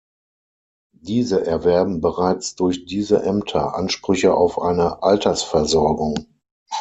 Diese erwerben bereits durch diese Ämter Ansprüche auf eine Altersversorgung.